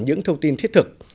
những thông tin thiết thực